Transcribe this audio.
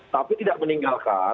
tapi tidak meninggalkan